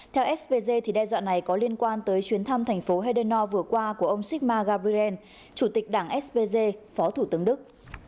theo spg đe dọa này có liên quan tới chuyến thăm thành phố hedenoor vừa qua của ông sigmar gabriel chủ tịch đảng spg phó thủ tướng đức